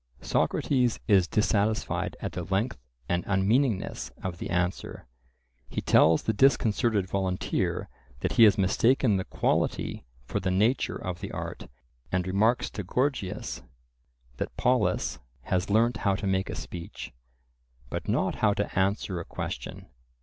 Socrates is dissatisfied at the length and unmeaningness of the answer; he tells the disconcerted volunteer that he has mistaken the quality for the nature of the art, and remarks to Gorgias, that Polus has learnt how to make a speech, but not how to answer a question.